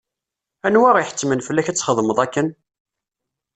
Anwa iḥettmen fell-ak ad txedmeḍ akken?